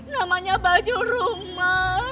namanya baju rumah